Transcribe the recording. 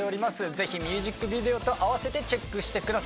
ぜひミュージックビデオと併せてチェックしてください。